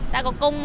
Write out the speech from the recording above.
đã có công lý